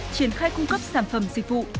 triển khai cung cấp sản phẩm dịch vụ